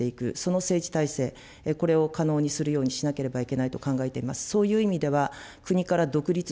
その政治体制、これを可能にするようにしなければいけないというふうに考えています。